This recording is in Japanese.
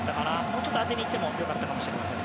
もうちょっと当てに行ってもよかったかもしれません。